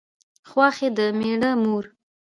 خواښې د مېړه مور